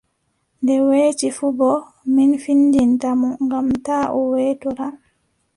Nde weeti fuu boo, min findinta mo, ngam taa o weetora!